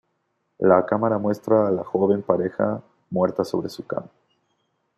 La cámara muestra a la joven pareja, muerta sobre su cama.